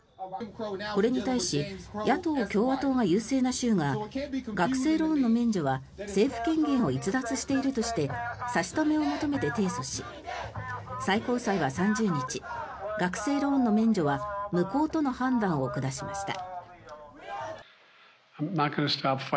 これに対し野党・共和党が優勢な州が学生ローンの免除は政府権限を逸脱しているとして差し止めを求めて提訴し最高裁は３０日学生ローンの免除は無効との判断を下しました。